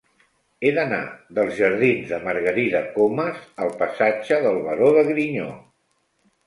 He d'anar dels jardins de Margarida Comas al passatge del Baró de Griñó.